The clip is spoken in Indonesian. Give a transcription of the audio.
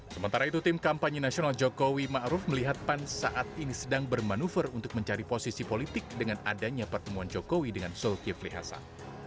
sementara itu tim kampanye nasional jokowi ⁇ maruf ⁇ melihat pan saat ini sedang bermanuver untuk mencari posisi politik dengan adanya pertemuan jokowi dengan zulkifli hasan